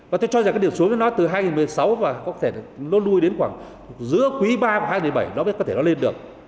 và tôi cho rằng cái điểm xuống của nó từ hai nghìn một mươi sáu và có thể nó nuôi đến khoảng giữa quý ba của hai nghìn một mươi bảy nó có thể nó lên được